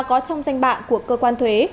và có trong danh bạ của cơ quan thuế